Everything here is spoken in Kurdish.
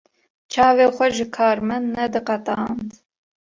Çavê xwe ji karmend nediqetand.